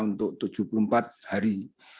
untuk tujuh puluh empat hari